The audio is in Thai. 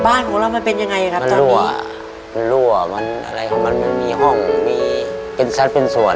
บ้านของเรามันเป็นยังไงครับจะรั่วมันรั่วมันอะไรของมันมันมีห้องมีเป็นซัดเป็นส่วน